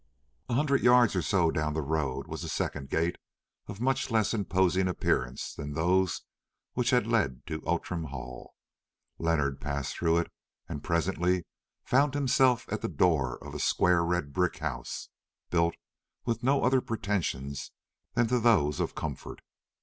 A hundred yards or so down the road, was a second gate of much less imposing appearance than those which led to the Outram Hall. Leonard passed through it and presently found himself at the door of a square red brick house, built with no other pretensions than to those of comfort.